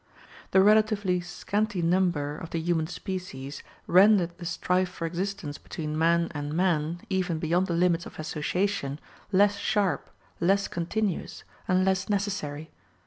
The relatively scanty number of the human species rendered the strife for existence between man and man, even beyond the limits of association, less sharp, less continuous, and less necessary.